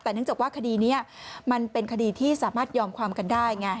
แต่เนื่องจากว่าคดีนี้มันเป็นคดีที่สามารถยอมความกันได้ไง